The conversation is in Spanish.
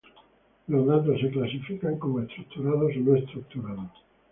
Los datos son clasificados como estructurados o no estructurados.